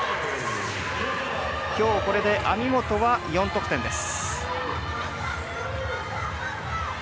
きょう、これで網本は４得点です。